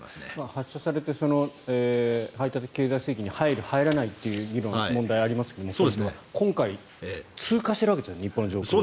発射されて排他的経済水域に入る、入らないという問題がありますが今回、通過しているわけですよね日本の上空を。